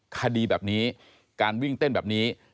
คดีแบบนี้การวิ่งเต้นแบบนี้